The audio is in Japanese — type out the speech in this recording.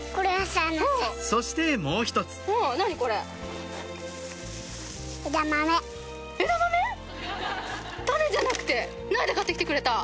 そしてもう１つ枝豆⁉種じゃなくて苗で買ってきてくれた。